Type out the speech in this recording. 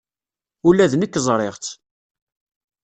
Ula d nekk ẓriɣ-tt.